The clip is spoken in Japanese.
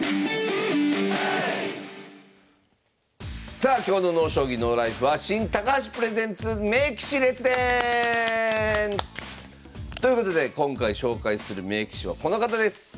さあ今日の「ＮＯ将棋ＮＯＬＩＦＥ」は「新・高橋プレゼンツ名棋士・列伝」！ということで今回紹介する名棋士はこの方です。